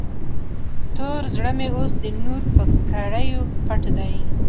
تور زړه مې اوس د نور په کړیو پټ دی.